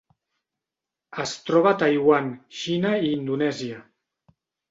Es troba a Taiwan, Xina i Indonèsia.